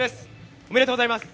おめでとうございます。